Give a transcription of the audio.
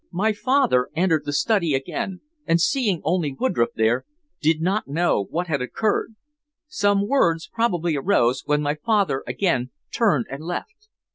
My father entered the study again, and seeing only Woodroffe there, did not know what had occurred. Some words probably arose, when my father again turned and left.